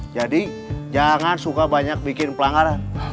jadi jangan suka banyak bikin pelanggaran